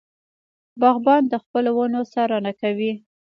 باغبان د خپلو ونو څارنه کوي.